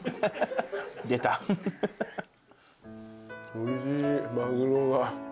おいしいマグロが。